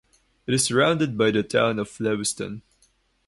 It is surrounded by the Town of Lewiston.